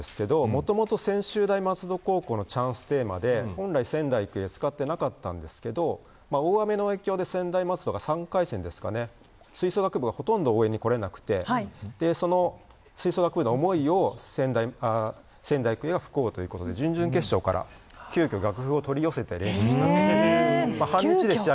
もともと専大松戸のチャンステーマで本来、仙台育英は使っていなかったんですけど大雨の影響で専大松戸が３回戦吹奏楽部がほとんど応援に来れなくてその吹奏楽部の思いを仙台育英は吹こうということで準々決勝から楽譜を取り寄せて練習したんです。